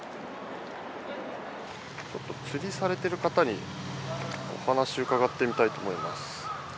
ちょっと釣りされてる方にお話伺ってみたいと思います。